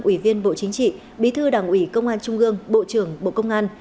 ủy viên bộ chính trị bí thư đảng ủy công an trung gương bộ trưởng bộ công an